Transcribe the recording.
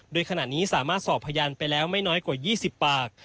โดยขณะนี้สามารถสอบพยานไปแล้วไม่น้อยกว่า๒๐ปาก